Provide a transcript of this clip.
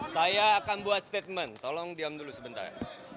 saya akan buat statement tolong diam dulu sebentar